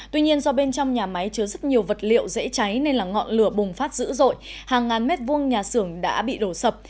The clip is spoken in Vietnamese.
tuy nhiên do bên trong nhà máy chứa rất nhiều vật liệu dễ cháy nên ngọn lửa bùng phát dữ dội hàng ngàn mét vuông nhà xưởng đã bị đổ sập